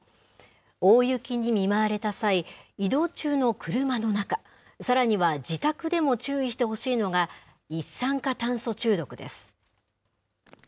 大雪に見舞われた際、移動中の車の中、さらには自宅でも注意してほしいのが、一酸化炭素中毒です。